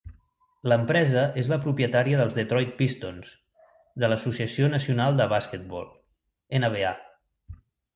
L'empresa és la propietària dels Detroit Pistons, de l'Associació Nacional de Basquetbol (NBA).